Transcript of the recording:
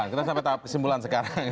kita sampai tahap kesimpulan sekarang